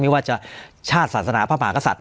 ไม่ว่าจะชาติศาสนาพระมหากษัตริย